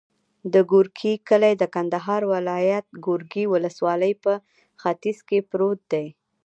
د ګورکي کلی د کندهار ولایت، ګورکي ولسوالي په ختیځ کې پروت دی.